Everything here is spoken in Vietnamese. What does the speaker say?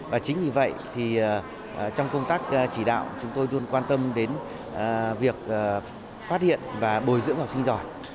và chính vì vậy thì trong công tác chỉ đạo chúng tôi luôn quan tâm đến việc phát hiện và bồi dưỡng học sinh giỏi